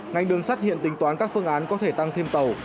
ngành đường sắt hiện tính toán các phương án có thể tăng thêm tàu